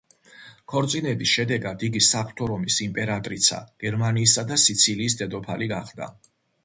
ქორწინების შედეგად იგი საღვთო რომის იმპერატრიცა, გერმანიისა და სიცილიის დედოფალი გახდა.